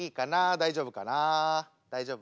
大丈夫かな？